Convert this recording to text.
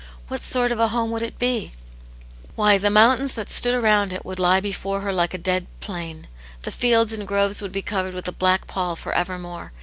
What sort of a hom^ would it be } Why, the mountains that stood around it would lie before her like a dead plain ; the fields and groves would be covered with a black pall for evermore